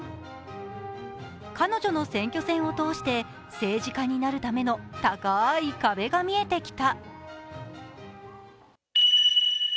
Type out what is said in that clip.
彼女の選挙戦を通して政治家になるための高い壁が見えてきた。